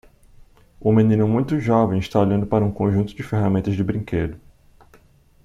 Um menino muito jovem está olhando para um conjunto de ferramentas de brinquedo.